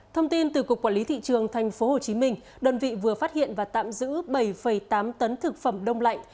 thông tin từ cục quản lý thị trường tp hcm đơn vị vừa phát hiện và tạm giữ bảy tám tấn thực phẩm đông lạnh